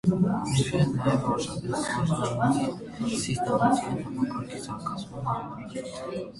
Նեֆրինը նաև անհրաժեշտ է սիրտանոթային համակարգի զարգացման համար։